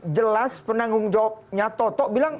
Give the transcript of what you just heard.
jelas penanggung jawabnya toto bilang